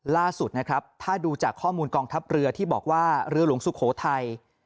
ล่าสุดนะครับถ้าดูจากข้อมูลกองทัพเรือที่บอกว่าเรือหลวงสุโขทัย